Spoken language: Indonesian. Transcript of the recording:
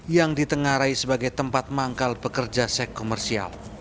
yang ditengarai sebagai tempat manggal pekerja seks komersial